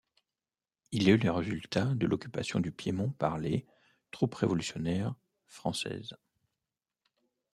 Il est le résultat de l'occupation du Piémont par les troupes révolutionnaires françaises.